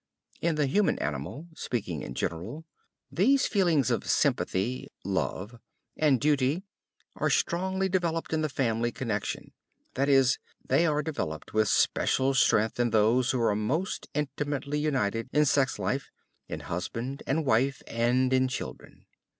In the human animal, speaking in general, these feelings of sympathy (love) and duty are strongly developed in the family connection; that is, they are developed with special strength in those who are most intimately united in sex life, in husband and wife and in children.